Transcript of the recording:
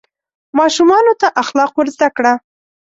ماشومانو ته اخلاق ور زده کړه.